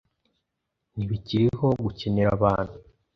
ntibikiriho gukenera abantu